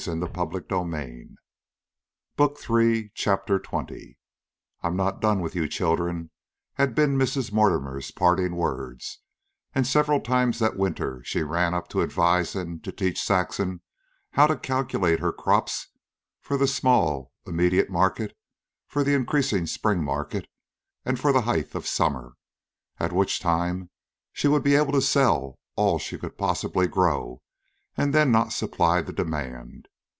I own 'm. They're mine. Are you on?" CHAPTER XX "I'm not done with you children," had been Mrs. Mortimer's parting words; and several times that winter she ran up to advise, and to teach Saxon how to calculate her crops for the small immediate market, for the increasing spring market, and for the height of summer, at which time she would be able to sell all she could possibly grow and then not supply the demand.